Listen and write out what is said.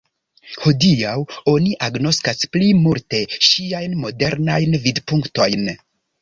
Hodiaŭ oni agnoskas pli multe ŝiajn modernajn vidpunktojn.